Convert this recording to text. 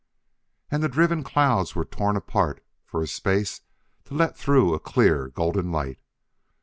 And the driven clouds were torn apart for a space to let through a clear golden light.